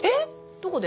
どこで？